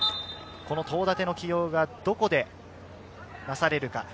東舘の起用がどこでなされるか。